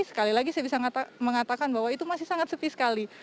sekali lagi saya bisa mengatakan bahwa itu masih sangat sepi sekali